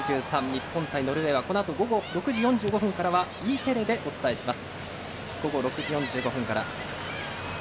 日本対ノルウェーはこのあと午後６時４５分からはＥテレでお伝えします。